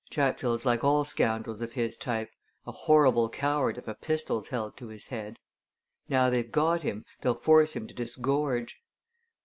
Chatfield's like all scoundrels of his type a horrible coward if a pistol's held to his head. Now they've got him, they'll force him to disgorge.